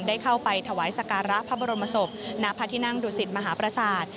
ได้เข้าไปถวายสการะพระบรมศพณพระที่นั่งดุสิตมหาประสาท